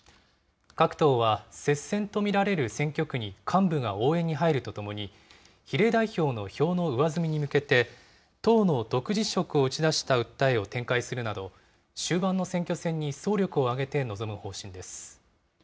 各党は、接戦と見られる選挙区に幹部が応援に入るとともに、比例代表の票の上積みに向けて、党の独自色を打ち出した訴えを展開するなど、終盤の選挙戦に総力を挙げて臨む方針です。